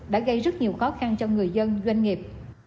đã gây rất nhiều khó khăn cho người dân doanh nghiệp